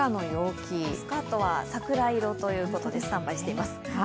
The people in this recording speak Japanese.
スカートは桜色ということでスタンバイしています。